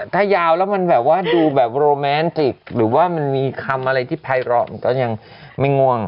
ถ้ายาวแล้วมันแบบว่าดูแบบโรแมนติกหรือว่ามันมีคำอะไรที่ภัยร้อมันก็ยังไม่ง่วง